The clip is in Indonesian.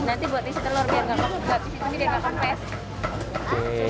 nanti buat isi telur biar gak kempes